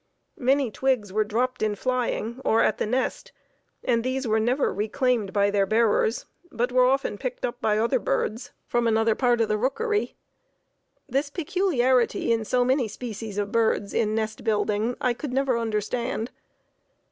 Many twigs were dropped in flying, or at the nest, and these were never reclaimed by their bearers, but were often picked up by other birds from another part of the rookery. This peculiarity in so many species of birds in nest building I could never understand.